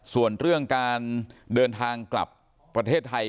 ส่วนเรื่องการเดินทางกลับประเทศไทย